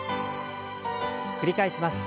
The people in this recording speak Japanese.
繰り返します。